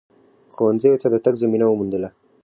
ښونځیو ته د تگ زمینه وموندله